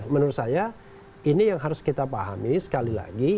menurut saya ini yang harus kita pahami sekali lagi